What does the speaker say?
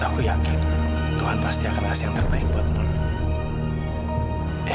aku yakin tuhan pasti akan berhasil yang terbaik buat non ini man